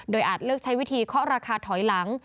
อาจเลือกใช้วิธีเคาะราคาถอยหลัง